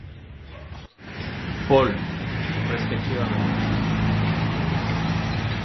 Paul, respectivamente.